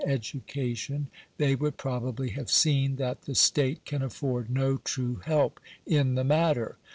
353 education, they would probably have seen that the state can afford no true help in the matter.